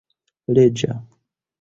leĝa